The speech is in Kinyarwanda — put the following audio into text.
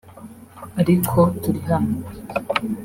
ariko turi hano